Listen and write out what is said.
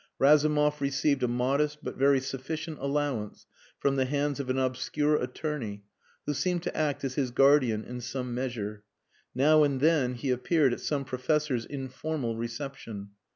Razumov received a modest but very sufficient allowance from the hands of an obscure attorney, who seemed to act as his guardian in some measure. Now and then he appeared at some professor's informal reception.